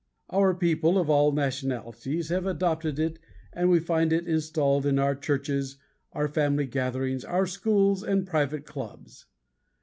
Our people of all nationalities have adopted it and we find it installed in our churches, our family gatherings, our schools, and private clubs.